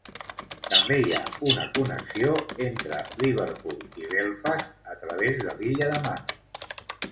També hi ha una connexió entre Liverpool i Belfast a través de l'illa de Man.